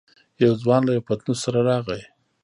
يو ځوان له يوه پتنوس سره راغی.